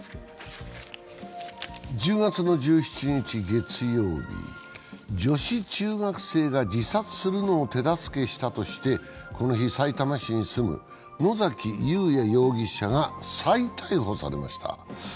１０月１７日月曜日、女子中学生が自殺するのを手助けしたとしてさいたま市に住む野崎祐也容疑者が再逮捕されました。